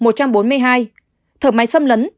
thở máy xâm lấn chín trăm linh chín